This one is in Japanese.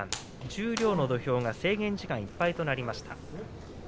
十両の土俵が制限時間いっぱいとなりました。